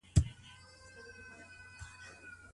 شيطان د خاوند او ميرمني تر منځ څه راولي؟